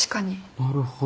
なるほど。